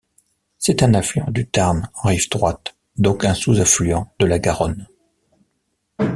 C'est un affluent du Tarn en rive droite, donc un sous-affluent de la Garonne.